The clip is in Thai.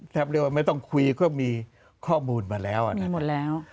เรียกว่าไม่ต้องคุยก็มีข้อมูลมาแล้วคุยหมดแล้ว